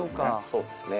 そうですね。